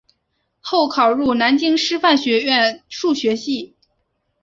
后考入南京师范学院数学系。